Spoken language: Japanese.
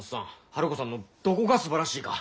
ハルコさんのどこがすばらしいか。